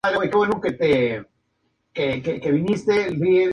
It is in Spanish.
En la actualidad conduce por "Radio Continental".